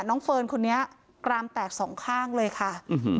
เฟิร์นคนนี้กรามแตกสองข้างเลยค่ะ